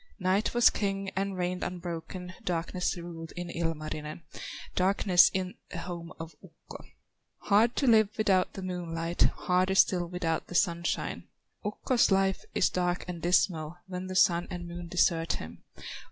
Night was king and reigned unbroken, Darkness ruled in Kalevala, Darkness in the home of Ukko. Hard to live without the moonlight, Harder still without the sunshine; Ukko's life is dark and dismal, When the Sun and Moon desert him.